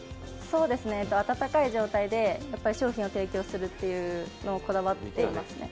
温かい状態で商品を提供するというのをこだわっていますね。